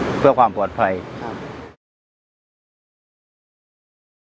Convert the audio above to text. เพื่อความปลอดภัยครับ